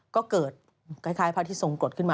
ก็เกิดคล้ายพระที่ทรงกรดขึ้นมา